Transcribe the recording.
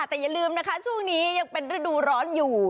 แต่อย่าลืมนะคะช่วงนี้ยังเป็นฤดูร้อนอยู่